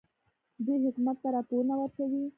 دوی حکومت ته راپورونه ورکوي.